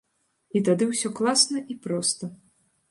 І тады ўсё класна і проста.